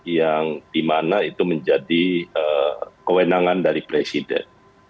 yang dimana itu menjadi kewenangan dari presiden